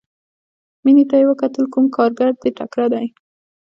مينې ته يې وکتل کوم کارګر دې تکړه دى.